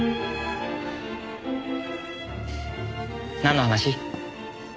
なんの話？